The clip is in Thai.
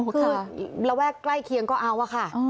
คือระแวกใกล้เคียงก็เอาอะค่ะ